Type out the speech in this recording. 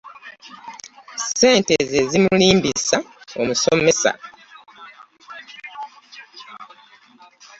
Ssente ze zimulimbisa omusomesa.